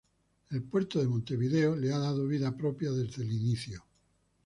El Puerto de Montevideo le ha dado vida propia desde el inicio.